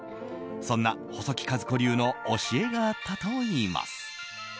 そんな、細木数子流の教えがあったといいます。